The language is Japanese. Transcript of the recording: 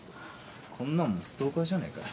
こんなんもうストーカーじゃねえかよ。